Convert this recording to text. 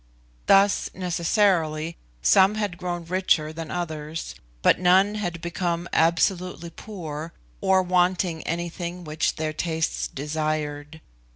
Thus, necessarily, some had grown richer than others, but none had become absolutely poor, or wanting anything which their tastes desired.